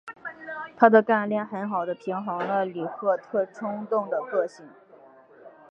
她的干练很好地平衡了里赫特冲动的个性。